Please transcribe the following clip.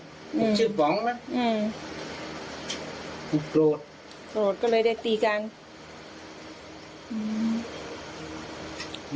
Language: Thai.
ตัวคือคำสุดท้ายของผม